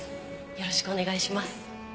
よろしくお願いします。